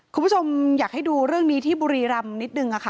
คุณผู้ชมอยากให้ดูเรื่องนี้ที่บุรีรำนิดนึงค่ะ